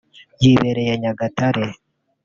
yibereye Nyagatare